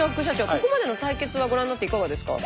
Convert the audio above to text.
ここまでの対決はご覧になっていかがですか？